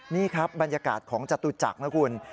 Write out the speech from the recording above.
นี่ครับบรรยากาศของจตุจักรนะคุณ